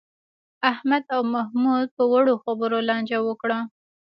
احمد او محمود په وړو خبرو لانجه وکړه.